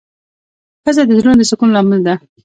ښځه د زړونو د سکون لامل ده.